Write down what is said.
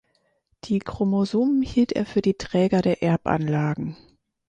Die Chromosomen hielt er für die Träger der Erbanlagen.